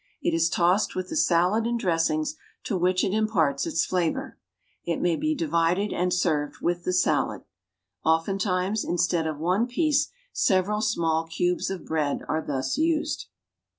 It is tossed with the salad and dressings, to which it imparts its flavor. It may be divided and served with the salad. Oftentimes, instead of one piece, several small cubes of bread are thus used.